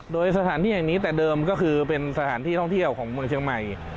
โดยสถานที่แห่งนี้แต่เดิมก็คือเป็นสถานที่ท่องเที่ยวของเมืองเชียงใหม่